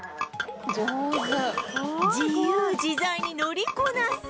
自由自在に乗りこなす